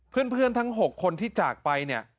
เพื่อนทั้ง๖คนที่จากไปเนี่ย